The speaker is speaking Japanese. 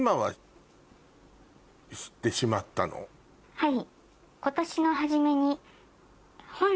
はい。